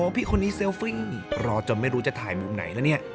พี่คนนี้เซลฟี้